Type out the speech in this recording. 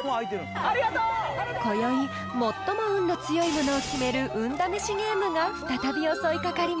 ［こよい最も運の強い者を決める運試しゲームが再び襲い掛かります］